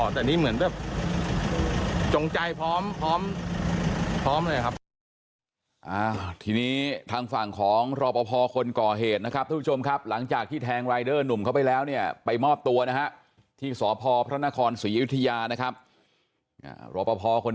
แต่นี่เหมือนแบบจงใจพร้อมพร้อมเลยครับ